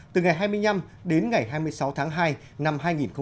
từ ngày hai mươi năm đến ngày hai mươi sáu tháng hai năm hai nghìn một mươi chín